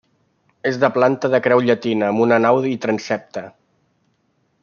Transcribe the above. És de planta de creu llatina, amb una nau i transsepte.